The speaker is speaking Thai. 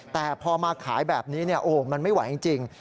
แต่พอมาขายแบบนี้โอ้โหมันไม่ไหวจริง